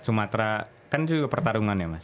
sumatera kan juga pertarungan ya mas